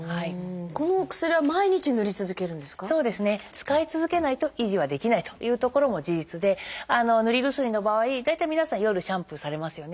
使い続けないと維持はできないというところも事実で塗り薬の場合大体皆さん夜シャンプーされますよね。